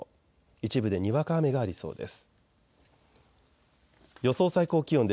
一部でにわか雨がありそうです。